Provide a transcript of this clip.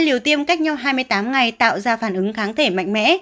liều tiêm cách nhau hai mươi tám ngày tạo ra phản ứng kháng thể mạnh mẽ